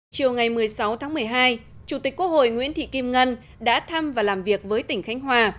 chiều ngày một mươi sáu tháng một mươi hai chủ tịch quốc hội nguyễn thị kim ngân đã thăm và làm việc với tỉnh khánh hòa